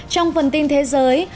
trong phần tin thế giới